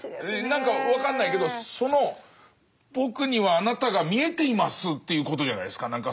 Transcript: なんか分かんないけど僕にはあなたが見えていますっていうことじゃないですか。